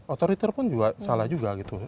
otoriter pun salah juga gitu